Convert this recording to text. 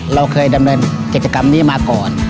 เราเคยดำเนินกิจกรรมนี้มาก่อน